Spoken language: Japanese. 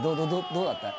「どうだった？」